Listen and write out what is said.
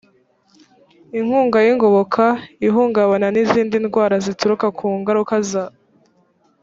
inkunga y’ingoboka, ihungabana n’izindi ndwara zituruka ku ngaruka za